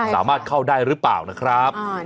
สามารถเข้าได้หรือเปล่านะครับ